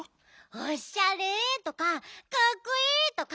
「おっしゃれ」とか「かっこいい」とか。